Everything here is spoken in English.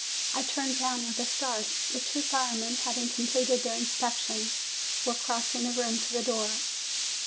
I turned round with a start. The two firemen, hav ing completed their inspection, were crossing the room to the door.